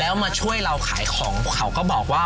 แล้วมาช่วยเราขายของเขาก็บอกว่า